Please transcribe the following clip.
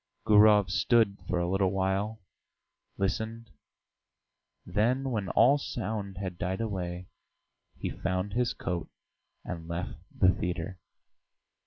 Gurov stood for a little while, listened, then, when all sound had died away, he found his coat and left the theatre.